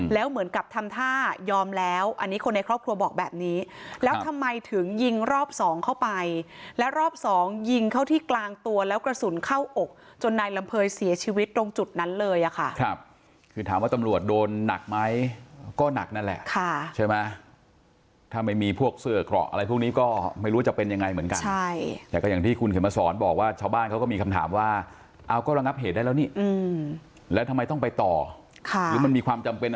แล้วทำไมถึงยิงรอบสองเข้าไปและรอบสองยิงเข้าที่กลางตัวแล้วกระสุนเข้าอกจนนายลำเภยเสียชีวิตตรงจุดนั้นเลยอะค่ะค่ะคือถามว่าตำรวจโดนหนักไหมก็หนักนั่นแหละค่ะใช่ไหมถ้าไม่มีพวกเสื้อกระอะไรพวกนี้ก็ไม่รู้ว่าจะเป็นยังไงเหมือนกันใช่แต่ก็อย่างที่คุณเขียนมาสอนบอกว่าชาวบ้านเขาก็มีคำถามว่